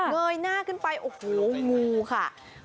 เงยหน้าขึ้นไปโอ้โหงูค่ะ